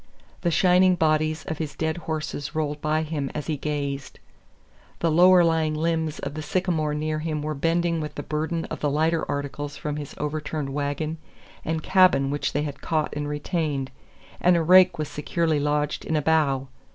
The shining bodies of his dead horses rolled by him as he gazed. The lower lying limbs of the sycamore near him were bending with the burden of the lighter articles from his overturned wagon and cabin which they had caught and retained, and a rake was securely lodged in a bough.